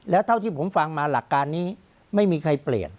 แล้วเท่าที่ผมฟังมาหลักการนี้ไม่มีใครเปลี่ยน